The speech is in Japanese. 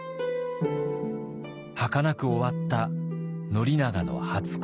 はかなく終わった宣長の初恋。